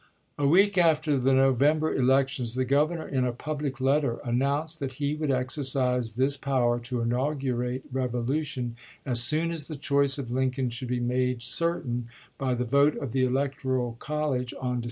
A week after the November elections, the Gov ernor in a public letter announced that he would exercise this power to inaugurate revolution as soon as the choice of Lincoln should be made cer tain by the vote of the electoral college on De weo.